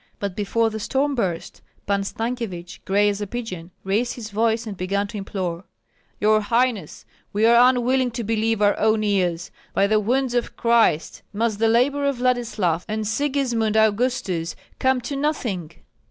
But before the storm burst, Pan Stankyevich, gray as a pigeon, raised his voice and began to implore, "Your highness, we are unwilling to believe our own ears! By the wounds of Christ! must the labor of Vladislav and Sigismund Augustus come to nothing?